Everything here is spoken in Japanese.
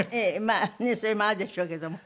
まあねそれもあるでしょうけども。